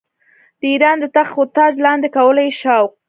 د اېران د تخت و تاج لاندي کولو شوق.